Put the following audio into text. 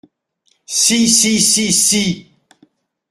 Si, si, si, si !…